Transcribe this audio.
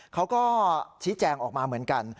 เขาก็ชี้แจงออกมาเหมือนกัน